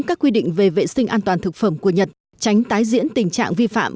các quy định về vệ sinh an toàn thực phẩm của nhật tránh tái diễn tình trạng vi phạm